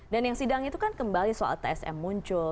dan yang sidang itu kan kembali soal tsm muncul